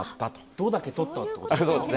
「ド」だけとったということですか。